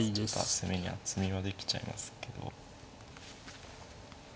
攻めに厚みができちゃいますけど。